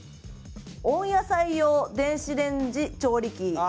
温野菜用電子レンジ調理器。